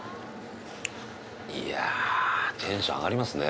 いやあテンション上がりますね。